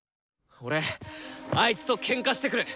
俺あいつとケンカしてくる！